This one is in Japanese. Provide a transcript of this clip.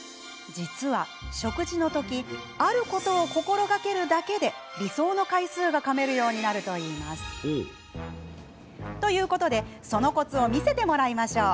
実は、食事の時あることを心がけるだけで理想の回数がかめるようになるといいます。ということで、そのコツを見せてもらいましょう。